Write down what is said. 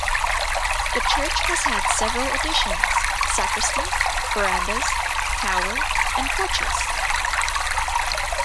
The church has had several additions: sacristy, verandas tower and porches.